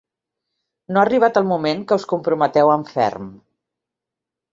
No ha arribat el moment que us comprometeu en ferm.